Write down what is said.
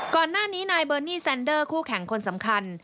ก่อนหน้านี้นายเบอร์นี่แซนเดอร์คู่แข่งคนสำคัญ